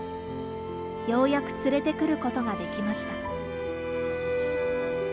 ようやく連れてくることができました。